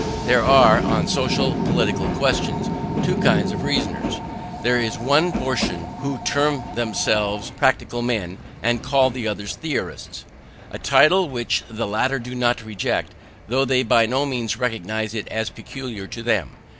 There are, on social and political questions, two kinds of reasoners: there is one portion who term themselves practical men, and call the others theorists; a title which the latter do not reject, though they by no means recognise it as peculiar to them.